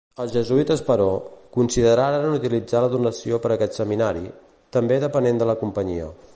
Els jesuïtes però, consideraren utilitzar la donació per aquest Seminari, també depenent de la Companyia.